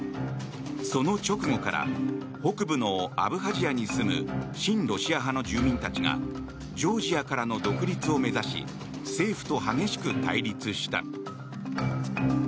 その直後から北部のアブハジアに住む親ロシア派の住民たちがジョージアからの独立を目指し政府と激しく対立した。